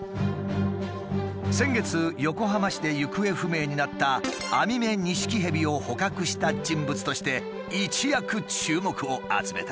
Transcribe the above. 先月横浜市で行方不明になったアミメニシキヘビを捕獲した人物として一躍注目を集めた。